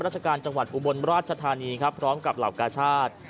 ราชการจังหวัดอุบลราชธานีครับพร้อมกับเหล่ากาชาติ